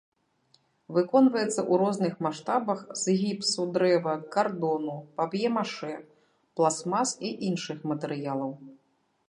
Выконваецца ў розных маштабах з гіпсу, дрэва, кардону, пап'е-машэ, пластмас і іншых матэрыялаў.